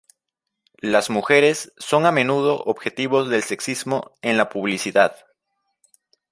Las mujeres son a menudo objetivos del sexismo en la publicidad.